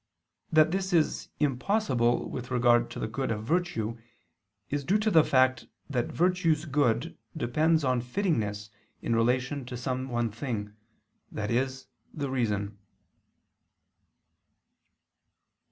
That this is impossible with regard to the good of virtue, is due to the fact that virtue's good depends on fittingness in relation to some one thing i.e. the reason.